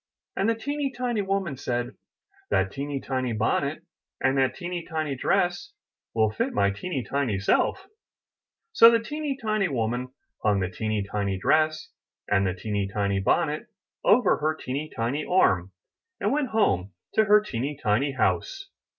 And the teeny tiny woman said: *'That teeny tiny bonnet and that teeny tiny dress will fit my teeny tiny self.*' So the teeny tiny woman hung the teeny tiny dress and the teeny tiny bonnet over her teeny tiny 336 I N THE NURSERY arm, and went home to her teeny tiny house.